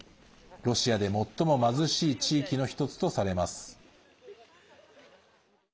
ロシアで最も貧しい地域の１つとされます。